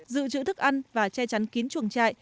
giữ chữ thức ăn và che chắn kín chuồng trại